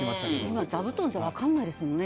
今は座布団じゃ分からないですよね。